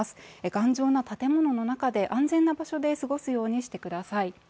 頑丈な建物の中で安全な場所で過ごすようにしてください。